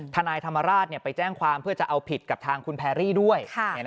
ทนายธรรมราชไปแจ้งความเพื่อจะเอาผิดกับทางคุณแพรรี่ด้วย